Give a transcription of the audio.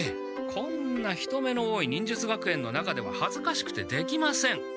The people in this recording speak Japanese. こんな人目の多い忍術学園の中でははずかしくてできません。